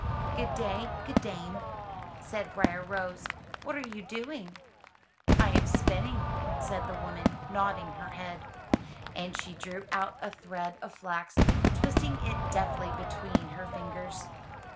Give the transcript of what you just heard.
"Good day, good dame,'' said Briar rose, "what are you doing?" "I am spinning,'* said the woman, nodding her head. And she drew out a thread of flax, twisting it deftly between her fingers.